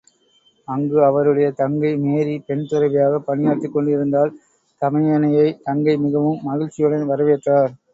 அங்கு அவருடைய தங்கை மேரி பெண்துறவியாகப் பணியாற்றிக் கொண்டிருந்தாள் தமையனை தங்கை மிகவும் மகிழ்ச்சியுடன் வரவேற்றார்.